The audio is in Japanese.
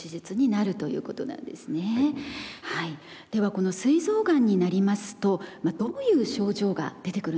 このすい臓がんになりますとどういう症状が出てくるんでしょうか？